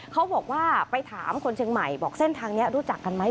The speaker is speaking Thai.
เขาบอกว่าไปถามคนเชียงใหม่บอกเส้นทางนี้รู้จักกันไหม